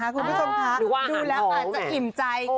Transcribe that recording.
คุณผู้ชมคะดูแล้วอาจจะอิ่มใจ